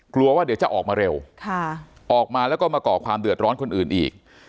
กลัวว่าเดี๋ยวจะออกมาเร็วออกมาแล้วก็มาก่อความเดือดร้อนคนอื่นอีก